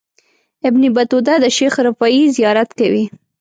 ابن بطوطه د شیخ رفاعي زیارت کوي.